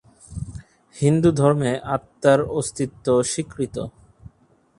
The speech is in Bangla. হিন্দুধর্মে ‘আত্মা’র অস্তিত্ব স্বীকৃত।